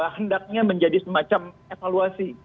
hendaknya menjadi semacam evaluasi